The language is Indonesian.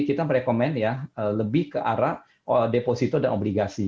kami merekomendasikan lebih ke arah deposito dan obligasi